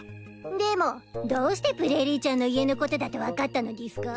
でもどうしてプレーリーちゃんの家のことだと分かったのでぃすか？